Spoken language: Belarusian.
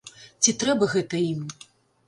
Ці трэба гэта ім?